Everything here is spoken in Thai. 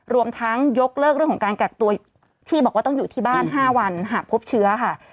รวมทั้งยกเลิกเรื่องของการกักตัวที่บอกว่าต้องอยู่ที่บ้าน๕วันหากพบเชื้อค่ะ